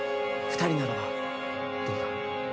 二人ならばどうだ？